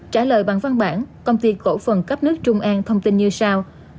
trả lời bằng văn bản công ty cổ phần cấp nước trung an thông tin như sau